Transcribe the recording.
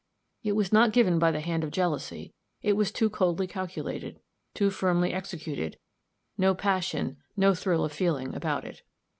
It was not given by the hand of jealousy it was too coldly calculated, too firmly executed no passion, no thrill of feeling about it.